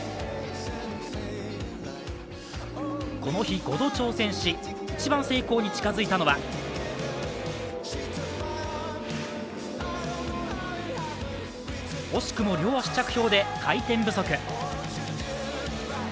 この日、５度挑戦し、一番成功に近づいたのは惜しくも両足着氷で回転不足。